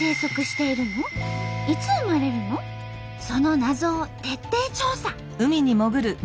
そのナゾを徹底調査。